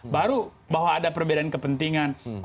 baru bahwa ada perbedaan kepentingan